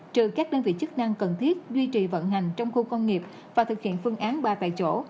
trừ các đơn vị chức năng cần thiết duy trì vận hành trong khu công nghiệp và thực hiện phương án ba tại chỗ